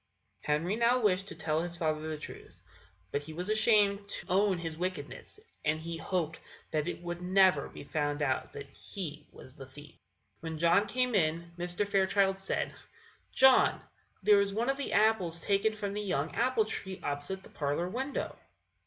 Henry now wished to tell his father the truth; but he was ashamed to own his wickedness, and he hoped that it would never be found out that he was the thief. When John came in, Mr. Fairchild said: "John, there is one of the apples taken from the young apple tree opposite the parlour window."